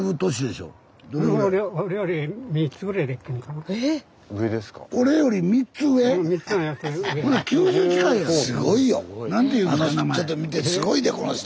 すごいでこの人。